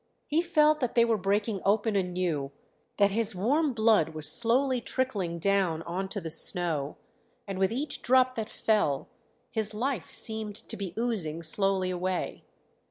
He felt that they were breaking open anew, that his warm blood was slowly trickling down on to the snow, and with each drop that fell his life seemed to be oozing slowly away.